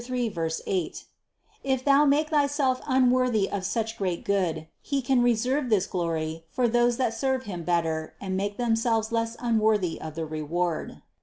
3, 8) ; if thou make thyself unworthy of such great good, He can re serve this glory for those that serve Him better and make themselves less unworthy of the reward.